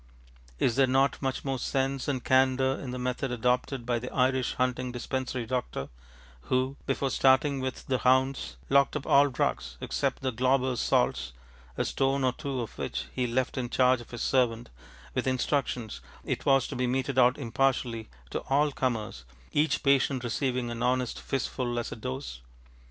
Is there not much more sense and candour in the method adopted by the Irish hunting dispensary doctor, who, before starting with the hounds, locked up all drugs, except the GlauberŌĆÖs salts, a stone or two of which he left in charge of his servant, with instructions it was to be meted out impartially to all comers, each patient receiving an honest fistful as a dose?